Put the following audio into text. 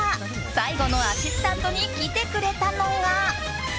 最後のアシスタントに来てくれたのが。